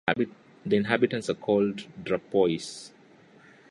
The inhabitants are called "Drapois".